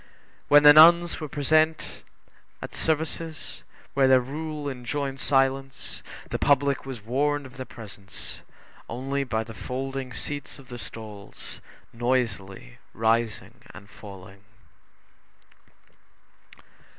When the nuns were present at services where their rule enjoined silence, the public was warned of their presence only by the folding seats of the stalls noisily rising and falling.